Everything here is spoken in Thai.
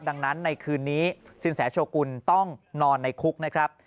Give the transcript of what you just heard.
ดังนั้นในคืนนี้สินแสโชกุลต้องนอนในคุกนะครับ